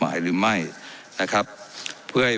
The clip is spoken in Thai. ไม่ได้เป็นประธานคณะกรุงตรี